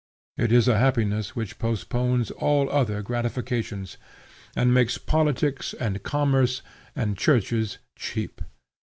It is a happiness which postpones all other gratifications, and makes politics, and commerce, and churches, cheap.